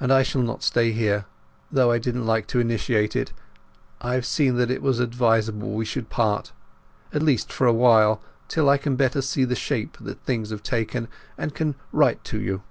"And I shall not stay here. Though I didn't like to initiate it, I have seen that it was advisable we should part—at least for a while, till I can better see the shape that things have taken, and can write to you."